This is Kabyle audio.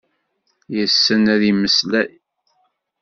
Yessen ad yemmeslay.